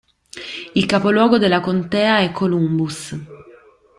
Il capoluogo della contea è Columbus.